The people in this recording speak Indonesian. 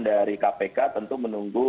dari kpk tentu menunggu